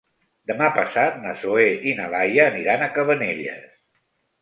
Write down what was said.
Demà passat na Zoè i na Laia aniran a Cabanelles.